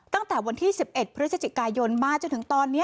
ตั้งแต่วันที่๑๑พฤศจิกายนมาจนถึงตอนนี้